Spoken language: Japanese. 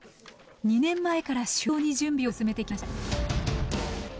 ２年前から周到に準備を進めてきました。